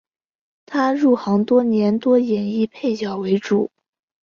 他入行多年多演绎配角为主。